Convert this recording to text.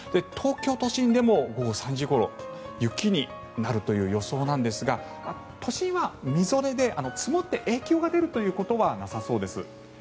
東京都心でも午後３時ごろ雪になるという予想なんですが都心はみぞれで積もって影響が出るということはなさそうです。